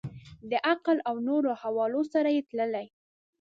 د عقل او نورو حوالو سره یې تللي.